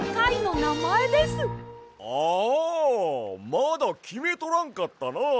まだきめとらんかったな！